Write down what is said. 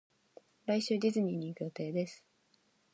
来週ディズニーに行く予定です